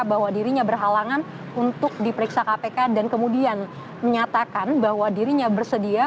bahwa dirinya berhalangan untuk diperiksa kpk dan kemudian menyatakan bahwa dirinya bersedia